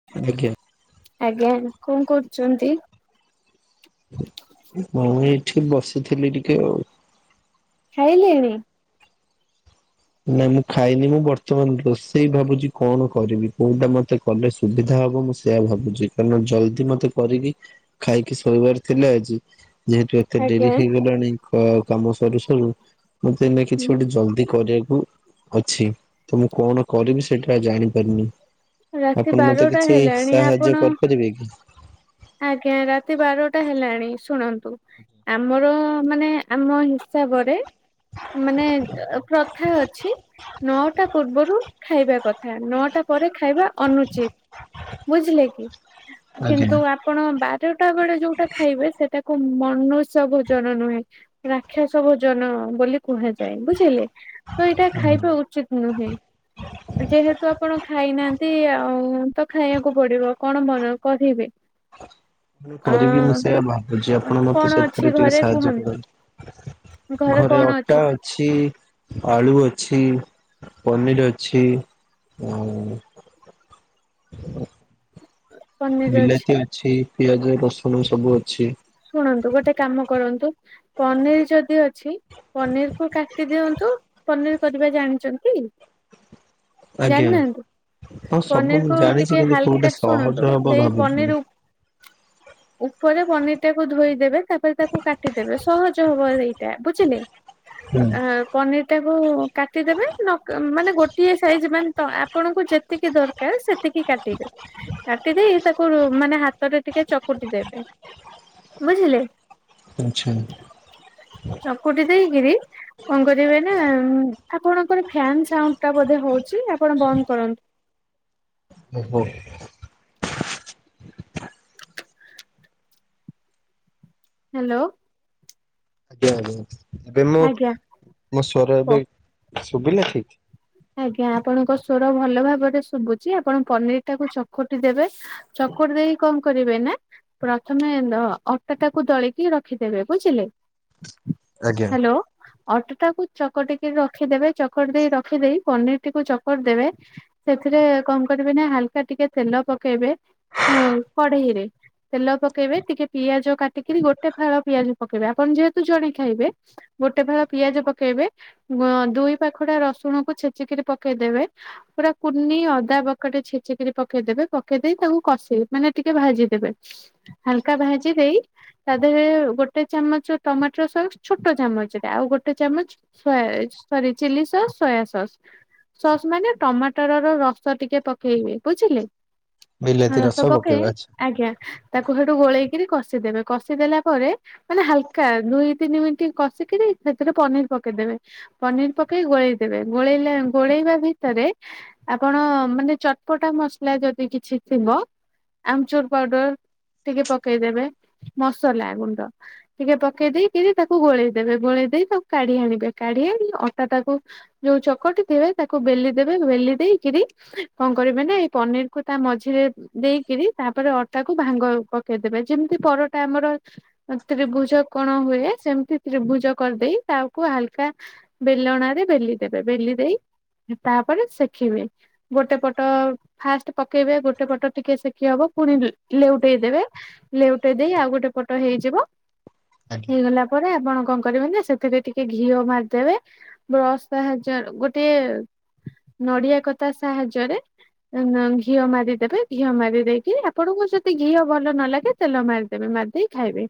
[unintelligible] ଆଜ୍ଞା କଣ କରୁଚନ୍ତି? ମୁଁ ଏଠି ବସିଥିଲି ଟିକେ ଆଉ। ଖାଇିଲେଣି? ନା ମୁଁ ଖାଇନି ମୁଁ ବର୍ତ୍ତମାନ ରୋଷେଇ ଭାବୁଛି କଣ କରିବି କୋଉଟା ମତେ କଲେ ସୁବିଧା ହବ ମୁଁ ସେଆ ଭାବୁଛି କାରଣ ଜଲଦି ମତେ କରିକି ଖାଇକି ଶୋଇବାର ଥିଲେ ଆଜି। ଯେହେତୁ ଏତେ ଆଜ୍ଞା ଡେରି ହେଇଗଲାଣି ଅ କାମ ସରୁ ସରୁ ମଁତେ ଏଇନା କିଛି ଗୋଟେ ଜଲଦି କରିବାକୁ କୁ ଅଛି। ତ ମୁଁ କଣ କରିବି ସେଇଟା ଜାଣିପାରୁନେଇ। ରାତି ଆପଣ ମତେ ବାରଟା କିଛି ହେଲାଣି ଆପଣ ସାହାଯ୍ୟ କରିପାରିବେ କି? ଆଜ୍ଞା ରାତି ବାରଟା ହେଲାଣି ଶୁଣନ୍ତୁ ଆମର ମାନେ ଆମ ହିସାବରେ ମାନେ ପ୍ରଥା ଅଛି ନଅଟା ପୂର୍ବରୁ ଖାଇବା କଥା ନଅଟା ପରେ ଖାଇବା ଅନୁଚିତ ବୁଝିଲେ କି କିନ୍ତୁ ପଣ ବାରଟା ବେଳେ ଯୋଉଟା ଖାଇବେ ସେଟା କୋଉ ମନୁଷ୍ୟ ଭୋଜନ ନୁହେଁ। ରାକ୍ଷାସ ଭୋଜନ ବୋଲି କୁହାଯାଏ ବୁଝିଲେ। ତ ଏଇଟା ଖାଇବା ଉଚିତ ନୁହେଁ ଯେହେତୁ ଆପଣ ଖାଇନାହାନ୍ତି ଆଉ ତ ଖାଇବାକୁ ପଡିବ କଣ ମନ କହିବେ। ମୁ କରିକି ମୁଁ ଅଁ ସେଇୟା ଭାବୁଛି ଆପଣ କଣ ମତେ ଅଛି ସେଥିରେ ଟିକେ ଘରେ ସାହାଯ୍ୟ କୁହନ୍ତୁ? କରନ୍ତୁ? ଘରେ କଣ? ଅଟା ଅଛି ଆଳୁ ଅଛି ପନିର ଅଛି ଆ ବିଲାତି ଅଛି। ପିଆଜ ରସୁଣ ସବୁ ଅଛି। ଶୁଣନ୍ତୁ ଗୋଟେ କାମ କରନ୍ତୁ ପନିର ଯଦି ଅଛି ପନିର କୁ କାଟି ଦିଅନ୍ତୁ। ପନିର କରିବା ଜାଣିଛନ୍ତି, ଆଜ୍ଞା ଜାଣିନାହାନ୍ତି? ହଁ ସବୁ ପନିର ମୁଁ କୁ ଜାଣିଛି ଟିକେ କିନ୍ତୁ କୋଉଟା ହାଲକା ସହଜ ଶୁଣନ୍ତୁ ହବ ସେଇ ଭାବୁଥିଲି ପନିର ଉ ଉପରେ ପନିର ଟାକୁ ଧୋଇଦେବେ ତାପରେ ତାକୁ କାଟିଦେବେ ସହଜ ହବ ରେଇ ବୁଝିଲି ହୁଁ। ଆ ପନିର ଟାକୁ କାଟିଦେବେ ମାନେ ଗୋଟିଏ ସାଇଜ ମାନେ ଆପଣଙ୍କୁ ଯେ ଯେତିକି ଦରକାର ସେତିକି କାଟିବେ। କାଟିଦେଇ ତାକୁ ମାନେ ହାତରେ ଟିକେ ଚକୁଟି ଦେବେ। ବୁଝିଲେ? ଆଚ୍ଛା। ଚକୁଟି ଦେଇକିରି କଣ କରିବେ ନା ଆପଣଙ୍କର ଫ୍ୟାନ୍ ସାଉଣ୍ଡ ଟା ବୋଧେ ହଉଛି ଆପଣ ବନ୍ଦ କରନ୍ତୁ। ଓହୋ ହ୍ୟାଲୋ। ଆଜ୍ଞା ଆଜ୍ଞା ଏବେ ମୁଁ ଆଜ୍ଞା ମୋ ସ୍ୱର କୁହ। ଏବେ ଶୁବିଲା ଠିକ୍। ଆଜ୍ଞା ଆପଣଙ୍କ ସ୍ବର ଭଲ ଭାବରେ ଶୁବୁଚି। ଆପଣ ପନିର ଟାକୁ ଚକଟି ଦେବେ। ଚକୁଟି ଦେଇକି କଣ କରିବେ ନେ? ପ୍ରଥମେ ଦ ଅଟାଟାକୁ ଦଳିକି ରଖିଦେବେ। ବୁଝିଲେ? ହ୍ୟାଲୋ, ଅଟାଟାକୁ ଚକଟିକି ରଖିଦେବେ। ଚକଟି ଦେଇ ରଖିଦେଇ ପନିରଟିକୁ ଚକଟି ଦେବେ। ସେଥିରେ କଣ କରିବେ ନା ହାଲକା ଟିକେ ତେଲ ପକେଇବେ। ହଉ କଢେଇରେ। ତେଲ ପକେଇବେ। ଟିକେ ପିଆଜ କାଟିକିରି ଗୋଟେ ଫାଳ ପିଆଜ ପକେଇବେ। ଆପଣ ଯେହେତୁ ଜଣେ ଖାଇବେ। ଗୋଟେ ଫାଳ ପିଆଜ ପକେଇବେ। ଗଁ ଦୁଇ ପାଖଡା ରସୁଣକୁ ଛେଚିକିରି ପକେଇଦେବେ। ପୁରା କୁନି ଅଦା ବକଟେ ଛେଚିକିରି ପକେଇଦବେ ପକେଇ ଦେଇେଇ ତାଙ୍କୁ କଷେଇ ମାନେ ଟିକେ ଭାଜିଦେବେ। ହାଲକା ଭାଜିଦେଇ ତା ଦେହରେ ଗୋଟେ ଚାମଚ ଟମାଟର ସସ୍ ଛୋଟ ଚାମଚ, ଆଉ ଗୋଟେ ଚାମଚ soya sorry chilli sauce, soya sauce. Sauce ମାନେ ଟମାଟର ର ରସ ଟିକେ ପକେଇବେ ବୁଝିଲେ। ହଁ ବିଲାତି ରସ ପକେଇ ପକେଇବା ଆଚ୍ଛା। ଆଜ୍ଞା ତାକୁ ହେଠୁ ଗୋଳେଇକିରି କଷିଦେବେ। କଷିଦେଲା ପରେ ମାନେ ହାଲକା ଦୁଇ ତିନି ମିନିଟ୍ କଷିକିରି ସେଥିରେ ପନିର ପକେଇଦେବ। ପନିର ପକେଇ ଗୋଳେଇ ଦେବେ ଗୋଳେଇଲେ ଗୋଳେଇବା ଭିତରେ ଆପଣ ମାନେ ଚଟପଟା ମସଲା ଯଦି କିଛି ଥିବ ଆମଚୁର ପାଉଡର ଟିକେ ପକେଇଦେବେ। ମସଲା ଗୁଣ୍ଡ ଟିକେ ପକେଇ ଦେଇକିରି ତାକୁ ଗୋଳେଇ ଦେବେ। ଗୋଳେଇ ଦେଇ ତାକୁ କାଢି ଆଣିବେ। କାଢି ଆଣି ଅଟା ଟାକୁ ଯୋଉ ଚକଟି ଥିବେ ତାକୁ ବେଲି ଦେବେ ବେଲି ଦେଇକିରି କଣ କରିବେ ନା ଏଇ ପନିରକୁ ତା ମଝିରେ ଦେଇକିରି ତାପରେ ଅଟାକୁୁ ଭାଙ୍ଗ ପକେଇଦବେ ଯେମିତି ପରଟା ଆମର ତ୍ରିଭୁଜ କୋଣ ହୁଏ। ସେମିତି ତ୍ରିଭୁଜ କରିଦେଇ, ତାକୁ ହାଲ୍ କା ବେଲଣାରେ ବେଲି ଦେବେ। ବେଲି ଦେଇ ତା'ପରେ ସେଖିବେ। ଗୋଟେ ପଟ ଫାଷ୍ଟ୍ ପକେଇବେ, ଗୋଟେ ପଟ ଟିକେ ସେକି ହବ, ପୁଣି ଲେଉଟେଇ ଦେବେ ଲେଉଟେଇ ଦେଇ ଆଉ ଗୋଟେ ପଟ ହେଇଯିବ। ହେଇଗଲା ପରେ, ଆପଣ କଣ କରିବେ ନା, ସେଥିରେ ଟିକେ ଘିଅ ମାରିଦେବେ। ବ୍ରସ୍ ସାହାଯ୍ୟ ଗୋଟିଏ ନଡିଆ କତା ସାହାଯ୍ୟରେ ଉଁ-ଅ ଘିଅ ମାରିଦେବେ। ଘିଅ ମାରି ଦେଇକି, ଆପଣଙ୍କୁ ସେତି ଘିଅ ଭଲ ନ ଲାଗେ, ତେଲ ମାରିଦେବେ, ମାରିଦେଇ ଖାଇବେ,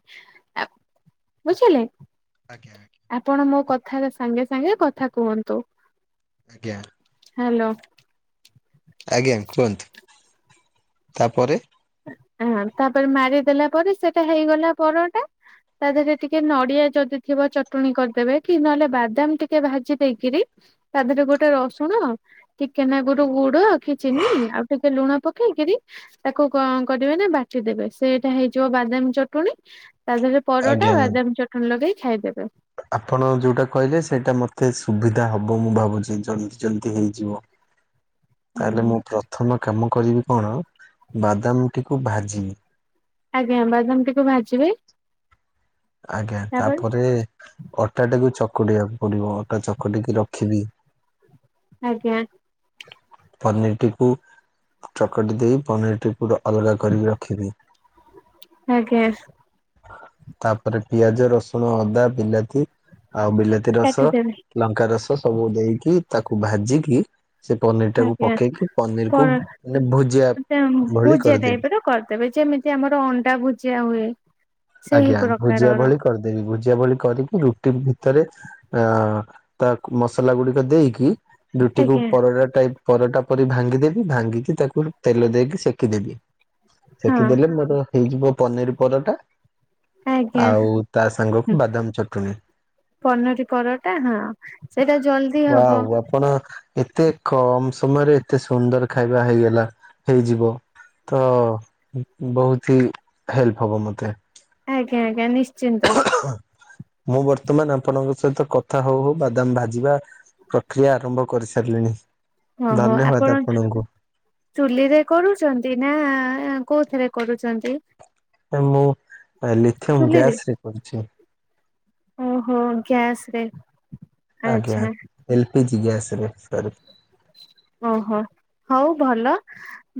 ବୁଝିଲେ? ଆଜ୍ଞା, ଆଜ୍ଞା। ଆପଣ ମୋ, କଥାରେ ସାଙ୍ଗେ ସାଙ୍ଗେ କଥା କୁହନ୍ତୁ। ଆଜ୍ଞା। ହ୍ୟାଲୋ। ଆଜ୍ଞା, କୁହନ୍ତୁ ତା'ପରେ ହଁ ତା'ପରେ ମାରିଦେଲା ପରେ, ସେଟା ହେଇଗଲା ପରଟା। ତା, ଦେହରେ ଟିକେ ନଡିଆ ଯଦି ଥିବ ଚଟୁଣୀ କରିଦେବେ, କି ନହେଲେ, ବାଦାମ ଟିକେ ଭାଜି ଦେଇକିରି ତା, ଦେହେରେ ଗୋଟେ ରସୁଣ, ଟିକେନାଗୁରୁ ଗୁଡ, କି ଚିନି, ଆଉ ଟିକେ ଲୁଣ ପକେଇକିରି, ତା' ତାକୁ କଣ କରିବେ ନା ବାଟି ଦେବେ, ସେଇଟା ହେଇଯିବ ବାଦାମ ଚଟୁଣୀ, ତା, ଧେରେ ପରଟା ଆଜ୍ଞା। ବାଦାମ ଚଟୁଣୀ ଲଗେଇ ଖାଇଦେବେ। ଆପଣ ଯୋଉଟା କହିଲେ ସେଇଟା ମତେ ସୁବିଧା ହବ ମୁଁ ଭାବୁଛି। ଜଲ୍ଦି, ଜଲ୍ଦି ହେଇଯିବ। ହ ତା, ହେଲେ ମୁଁ ପ୍ରଥମ କାମ କରିବି କଣ, ବାଦାମ ଟିକୁ ଭାଜିିବି। ଆଜ୍ଞା, ବାଦାମଟିକୁ ଭାଜିବେ ଆଜ୍ଞା, ତା'ପରେ ଅଟାଟାକୁ ଚକୁଡିବାକୁ ପଡିବ। ଅଟା ଚକଟିକି ରଖିବି। ଆଜ୍ଞା। ପନିର୍ ଟିକୁ ଚକଟି ଦେଇ ପନିର୍ ଟି ପୁରା ଅଲଗା କରିକି ରଖିବି। ଆଜ୍ଞା। ତା'ପରେ ପିଆଜ ରସୁଣ ଅଦା ବିଲାତି, ଆଉ ବିଲା ତି ରସ, କାଟିଦେବେ ଲଙ୍କା ରସ ସବୁ ଦେଇକି ତାକୁ ଭାଜିକି ସେ ପନିର ଟାକୁ ଆଜ୍ଞା, ପକେଇକି ପନିର କୁ କଣ ମାନେ ଭୁଜିଆ ତେଁ, ଭଳି ଭୁଜିଆ କରିଦେବି। ଟାଇପ୍ ର କର୍। ତେବେ ଯେମିତି ଆମର ଅଣ୍ଡା ଭୁଜିଆ ହୁଏ। ସେହି ଆଜ୍ଞା, ଭୁଜିଆ ପ୍ରକାରର ଭଳି କରିଦେବି। ଭୁଜିଆ ଭଳି କରିକି ରୁଟି ଭିତରେ ଆଁ, ତା ମସଲା ଗୁଡିକ ଦେଇକି, ରୁଟିକୁୁ ଆଜ୍ଞା ପରଟା ଟାଇପ୍ ପରଟା ପରି ଭାଙ୍ଗିଦେବି। ଭାଙ୍ଗିକି ତାକୁ ତେଲ ଦେଇକି ସେକିଦେବି। ହଁ ସେଖି ଦେଲେ ମୋର ହେଇଯିବ, ପନିର ପରଟା। ଆଜ୍ଞା ଆଉ, ତା ସାଙ୍ଗକୁ ବାଦାମ ଚଟୁଣୀ। ପନିରୀ ପରଟା ହଁ, ସେଇଟା ଜଲ୍ଦି ହବ। ଆଉ, ଆପଣ ଏତେ କମ୍ ସମୟରେ ଏତେ ସୁନ୍ଦର ଖାଇବା ହେଇଗଲା, ହେଇଯିବ। ତ, ବହୁତ ହି ହେଲ୍ପ ହବ ମତେ। ଆଜ୍ଞା, ଆଜ୍ଞା, ନିଶ୍ଚିନ୍ତ। ମୁଁ ବର୍ତ୍ତମାନ, ଆପଣଙ୍କ ସହିତ କଥା ହଉ ହଉ ବାଦାମ ଭାଜିବା ପ୍ରକ୍ରିୟା ଆରମ୍ଭ କରିସାରିଲିଣି। ଧନ୍ୟବାଦ ଆପଣଙ୍କୁ। ଚୁଲି ରେ କରୁଚନ୍ତି ନା-ଆ, କୋଉଥିରେ କରୁଚନ୍ତି। ମୁଁ ଲିଥିୟମ ଚୁଲିରେ ଗ୍ୟାସ୍ ରେ କରୁଛି। ଓହୋ ଗ୍ୟାସରେ। ଆଜ୍ଞା ଏଲ୍ ପିଜି ଗ୍ୟାସରେ ସରି। ଓହୋ ହଉ ଭଲ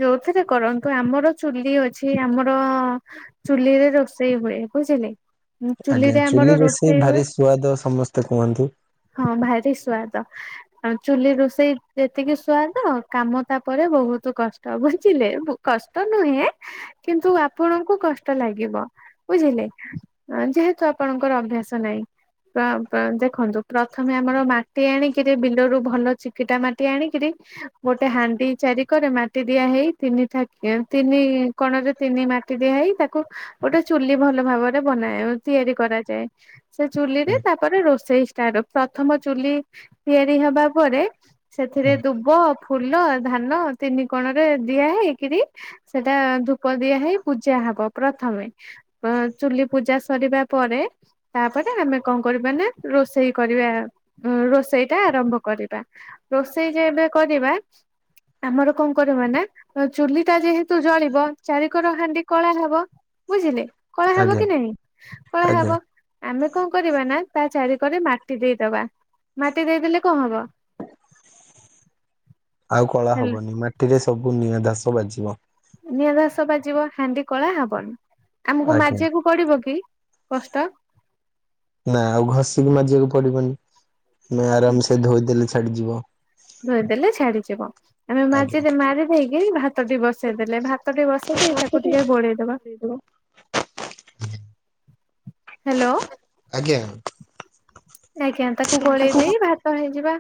ଯୋଉଥିରେ କରନ୍ତୁ ଆମର ଚୁଲି ଅଛି ଆମର ଚୁଲିରେ ରୋଷେଇ ହୁଏ ବୁଝିଲେ ଆଜ୍ଞା ଚୁଲିରେ ଚୁଲି ଆମର ରୋଷେଇ ହୁଏ ଭାରି ସୁଆଦ ସମସ୍ତେ କୁହନ୍ତି। ହଁ ଭାରି ସୁଵାଦ। ଆଉ ଚୁଲି ରୋଷେଇ ଯେତିକି ସୁଆଦ କାମ ତାପରେ ବହୁତ୍ କଷ୍ ତ ବୁଝିଲେ କଷ୍ଟ ନୁହେଁ କିନ୍ତୁ ଆପଣଙ୍କୁ କଷ୍ଟ ଲାଗିବ। ବୁଝିଲେ ଯେହେତୁ ଆପଣଙ୍କର ଅଭ୍ୟାସ ନାହିଁ [unintelligible] ଦେଖନ୍ତୁ ପ୍ରଥମେ ଆମର ମାଟି ଆଣିକିରି ବିଲରୁ ଭଲ ଚିକିଟା ମାଟି ଆଣିକିରି ଗୋଟେ ହାଣ୍ଡି ଚାରି କରେ ମାଟି ଦିଆ ହେଇ ତିନି ଠାକି ତିନି କଣରେ ତିନି ମାଟି ଦିଆ ହେଇ ତାକୁ ଗୋଟେ ଚୁଲି ଭଲ ଭାବରେ ବନାଏ ତିଆରି କରାଯାଏ। ସେ ଚୁଲିରେ ତାପରେ ରୋଷେଇ ଷ୍ଟାଟ ପ୍ରଥମ ଚୁଲି ତିଆରି ହବା ପରେ ସେଥିରେ ଦୁବ ଫୁଲ ଧାନ ତିନି କୋଣରେ ଦିଆ ହେଇକରି ସେଟା ଧୂପ ଦିଆ ହେଇ ପୂଜା ହବ ପ୍ରଥମେ ଚୁଲି ପୂଜା ସରିବା ପରେ ତାପରେ ଆମେ କଣ କରିବାନା ରୋଷେ ରୋଷେଇ କରିବା ରୋଷେଇଟା ଆରମ୍ଭ କରିବା ରୋଷେଇ ଯେଏବେ କରିବା ଆମର କଣ କରିବାନା ଚୁଲିଟା ଯେହେତୁ ଜଳିବ ଚାରିକୋର ହାଣ୍ଡି କଳା ହବ ବୁଝିଲେ କଳା ଆଜ୍ଞା ହବକି ନାଇଁ କଳା ଆଜ୍ଞା ହବ ଆମେ କଣ କରିବା ନା ତାଚାରି କରେ ମାଟି ଦେଇଦବା ମାଟି ଦେଇଦେଲେ କଣ ହବ ଆଉ କଳା ହେଲେ ହବନି ମାଟିରେ ସବୁ ନିଆଁ ଦାସ ବାଜିବ। ନିଆଦାସ ବାଜିବ ହାଣ୍ଡି କଳା ହବନି ଆମକୁ ଆଜ୍ଞା ମାଜିିବାକୁ ପଡ଼ିବକି କଷ୍ଟ ନା ଆଉ ଘଷିକି ମାଜିବାକୁ ପଡ଼ିବନି ଆମେ ଆରାମସେ ଧୋଇଦେଲେ ଛାଡ଼ିଯିବ‌ ଧୋଇଦେଲେ ଛାଡ଼ିଯିବ। ଆମେ ଆଜ୍ଞା ମାଜି ମାରି ଦେଇକି ଭାତଟି ବସେଇଦେଲେ ଭାତଟି ବସେଇ ଦେଇ ତାକୁ ଟିକେ ଗୋଳେଇଦବା [inaudible] ହାଲୋ। ଆଜ୍ଞା। ଆଜ୍ଞା ତାକୁ ଗୋଳେଇ ଦେଇ ଭା ତ ହେଇଯିବା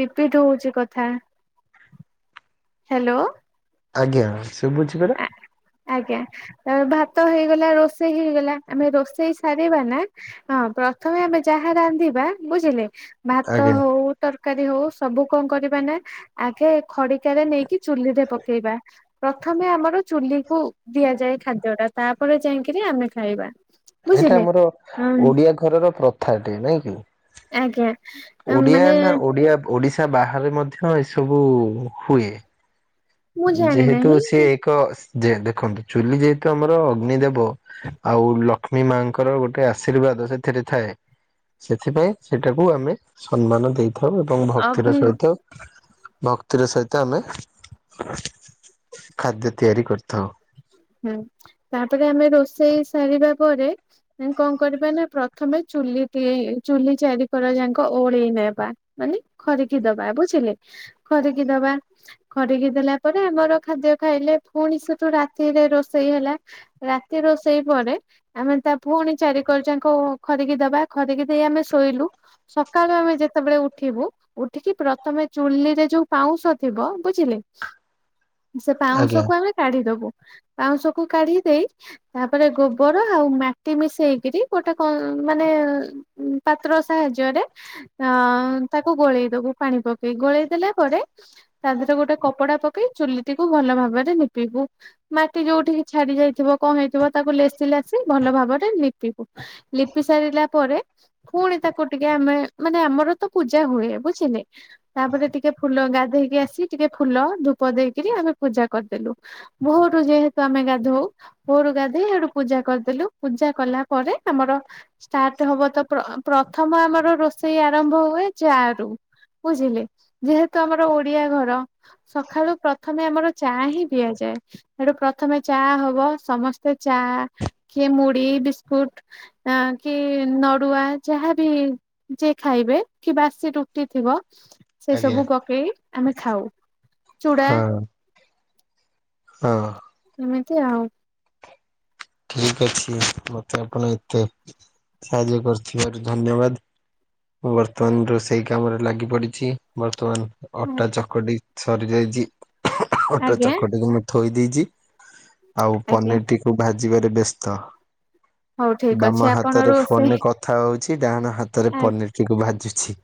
ରିପିଟ୍ ହଉଚି କଥା। ହାଲୋ। ଆଜ୍ଞା ସୁବୁଚି ପରା। ଆଜ୍ଞା ତାପରେ ଭାତ ହେଇଗଲା ରୋଷେଇ ହେଇଗଲା ଆମେ ରୋଷେଇ ସାରିବାନା ହଁ ପ୍ରଥମେ ଆମେ ଯାହା ରାନ୍ଧିବା ବୁଝିଲେ ଭାତ ଆଜ୍ଞା ହଉ ତରକାରୀ ହଉ ସବୁ କଣ କରିବାନା ଆଗେ ଖଡ଼ିକାରେ ନେଇକି ଚୁଲିରେ ପକେଇବା। ପ୍ରଥମେ ଆମର ଚୁଲିକୁୁ ଦିଆଯାଏ ଖାଦ୍ୟଟା ତାପରେ ଯାଇକିରି ଆମେ ଖାଇବା। ଏଇଟା ବୁଝିଲେ ଆମର ହଁ ଓଡିଆ ଘରର ପ୍ରଥାଟେ ନାଇଁ କି। ଆଜ୍ଞା। ଓଡିଆ ମାନେ ନା ଓଡିଆ ଓଡିଶା ବାହାରେ ମଧ୍ୟ ଏସବୁ ହୁଏ। ମୁଁ ଜାଣି ଯେହେତୁ ନାହିଁ ସିଏ ଏକ ଯେ ଦେଖନ୍ତୁ ଚୁଲି ଯେହେତୁ ଆମର ଅଗ୍ନି ଦେବ ଆଉ ଲକ୍ଷ୍ମୀ ମାଙ୍କର ଗୋଟେ ଆଶୀର୍ବାଦ ସେଥିରେ ଥାଏ ସେଥିପାଇଁ ସେଟାକୁ ଆମେ ସମ୍ମାନ ଦେଇ ଥାଉ ଏବଂ ଭକ୍ତିର ଅଗ୍ନି ସହିତ ଭକ୍ତିର ସହିତ ଆମେ ଖାଦ୍ୟ ତିଆରି କରିଥାଉ। ହୁଁ, ତାପରେ ଆମେ ରୋଷେଇ ସାରିବା ପରେ। [unintelligible] କଣ କରିବା ନା ପ୍ରଥମେ ଚୁଲି କେଇ ଚୁଲି ଚାରି କର ଯାଙ୍କ ଓଳେଇ ନେବା ମାନେ ଖରିକି ଦବା ବୁଝିଲେ। ଖରିକି ଦବା, ଖରିକି ଦେଲା ପରେ ଆମର ଖାଦ୍ୟ ଖାଇଲେ ପୁଣି ସେଠୁ ରା ତିରେ ରୋଷେଇ ହେଲା, ରାତି ରୋଷେଇ ପରେ ଆମେ ତା ପୁଣି ଚାରି କର ଯାଙ୍କ ଖରିକି ଦବା, ଖରିକି ଦେଇ ଆମେ ଶୋଇଲୁ। ସକାଳୁ ଆମେ ଯେତେବେଳେ ଉଠିବୁ ଉଠିକି ପ୍ରଥମେ ଚୁଲି ରେ ଯୋଉ ପାଉଁଶ ଥିବ, ବୁଝିଲେ? ସେ ପାଉଁଶ ଆଜ୍ଞା। କୁ ଆମେ କାଢିଦବୁ, ପାଉଁଶ କୁ କାଢି ଦେଇ ତାପରେ ଗୋବର ଆଉ ମାଟି ମିଶେଇକିରି ଗୋଟେ କଁ ମାନେ ଉ, ପାତ୍ର ସାହାଯ୍ୟରେ ଅ, ତାକୁ ଗୋଳେଇ ଦବୁ ପାଣି ପକେଇ ଗୋଳେଇ ଦେଲା ପରେ ତା ଦେହରେ ଗୋଟେ କପ ପଡା ପକେଇ ଚୁଲିଟିକୁ ଭଲ ଭାବରେ ନିପିବୁ। ମାଟି ଯୋଉଠିକି ଛାଡି ଯାଇଥିବ କଣ ହେଇଥିବ ତାକୁ ଲେସିି ଲେସିି ଭଲ ଭାବରେ ଲିପିବୁ। ଲିପି ସାରିଲା ପରେ ପୁଣି ତାକୁ ଟିକେ ଆମେ ମାନେ ଆମର ତ ପୂଜା ହୁଏ ବୁଝିଲେ। ତାପରେ ଟିକେ ଫୁଲ ଗାଧେଇକି ଆସି ଟିକେ ଫୁଲ ଧୂପ ଦେଇକିରି ଆମେ ପୂଜା କରିଦେଲୁ। ଭୋରୁ ଯେହେତୁ ଆମେ ଗାଧଉ ଘୋରୁ ଗାଧେଇ ସେଇଠୁ ପୂଜା କରିଦେଲୁ, ପୂଜା କଲା ପରେ ଆମର ଷ୍ଟାର୍ଟ ହବ ତ ପ୍ର ପ୍ରଥମ ଆମର ରୋଷେଇ ଆରମ୍ଭ ହୁଏ ଚା ରୁ। ବୁଝିଲେ, ଯେହେତୁ ଆମର ଓଡିଆ ଘର। ସଖାଳୁ ପ୍ରଥମେ ଆମର ଚା ହିଁ ପିଆଯାଏ। ସେଠୁ ପ୍ରଥମେ ଚା ହବ, ସମସ୍ତେ ଚା କିଏ ମୁଢି, ବିସ୍କୁଟ୍ ଆଁ, କି ନଡୁଆ ଯାହାବି ଯିଏ ଖାଇବେ କି ବାସି ରୁଟି ଥିବ ସେ ଆଜ୍ଞା ସବୁ ପକେଇ ଆମେ ଖାଉ, ଚୁଡା ହଁ ହଁ। ଏମିତି ଆଉ ଠିକ ଅଛି, ମୋତେ ଆପଣ ଏତେ ସାହାଯ୍ୟ କରିଥିବାରୁ ଧନ୍ୟବାଦ। ମୁଁ ବର୍ତ୍ତମାନ ରୋଷେଇ କାମରେ ଲାଗି ପଡିଛି। ବର୍ତ୍ତମାନ ଅଟା ଚକଟି ସରି ଯାଇଚି, ଅଟା ଆଜ୍ଞା ଚକଟିକି ମୁଁ ଥୋଇ ଦେଇଚି, ଆଉ ଆଜ୍ଞା ପନିର୍ ଟିକୁ ଭାଜିବାରେ ବ୍ୟସ୍ତ। ହଉ ଠିକ ଅଛି ବାମ ଆପଣ ହାତରେ ଫୋନ୍ ରୋଷେଇ ରେ କଥା ହଉଛି, ଡାହାଣ ହାତରେ ଆ ପନିର୍ ଟିକୁ ଭାଜୁଛି।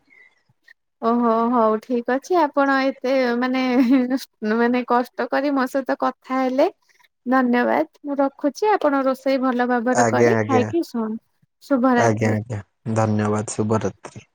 ଓହୋ! ହଉ ଠିକ ଅଛି ଆପଣ ଏତେ ମାନେ ମାନେ କଷ୍ଟ କରି ମୋ ସହିତ କ ଥା ହେଲେ ଧନ୍ୟବାଦ ମୁଁ ରଖୁଛି, ଆପଣ ରୋଷେଇ ଭଲ ଭାବ ବରେ ଆଜ୍ଞା କରି ଆଜ୍ଞା ଖାଇକି ଶୁଅନ୍ ଆଜ୍ଞା ଶୁଭରାତ୍ରି। ଆଜ୍ଞା ଧନ୍ୟବାଦ ଶୁଭରାତ୍ରୀ।